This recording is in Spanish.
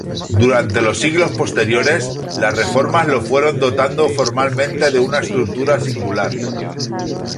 Durante los siglos posteriores, las reformas lo fueron dotando formalmente de una estructura singular.